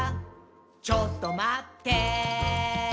「ちょっとまってぇー！」